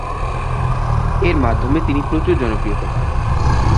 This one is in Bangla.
এর মাধ্যমে তিনি প্রচুর জনপ্রিয়তা পান।